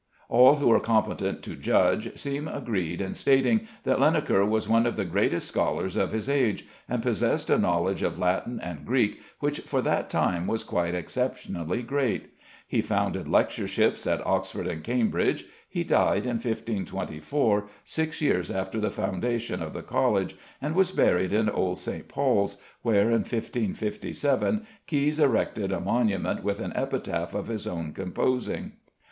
All who are competent to judge seem agreed in stating that Linacre was one of the greatest scholars of his age, and possessed a knowledge of Latin and Greek which for that time was quite exceptionally great. He founded lectureships at Oxford and Cambridge. He died in 1524, six years after the foundation of the College, and was buried in Old St. Paul's, where in 1557 Caius erected a monument with an epitaph of his own composing.